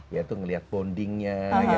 yaitu ngeliat bondingnya